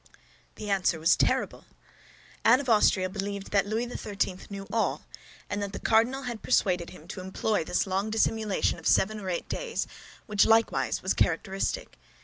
The answer was terrible. Anne of Austria believed that Louis XIII. knew all, and that the cardinal had persuaded him to employ this long dissimulation of seven or eight days, which, likewise, was characteristic.